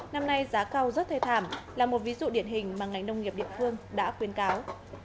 năm nay giá cao rất thê thảm là một ví dụ điển hình mà ngành nông nghiệp địa phương đã khuyên cáo